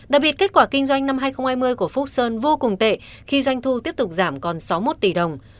đặc biệt kết quả kinh doanh năm hai nghìn hai mươi của phúc sơn vô cùng tệ khi doanh thu tiếp tục giảm còn sáu mươi một tỷ đồng